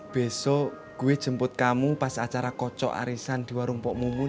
besok gue jemput kamu pas acara kocok arisan di warung pok mumu